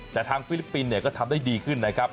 แต่ทางฟิลิปปินส์เนี่ยก็ทำได้ดีขึ้นนะครับ